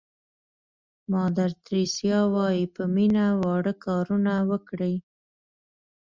مادر تریسیا وایي په مینه واړه کارونه وکړئ.